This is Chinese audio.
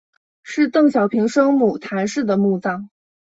是邓小平生母谈氏的墓葬。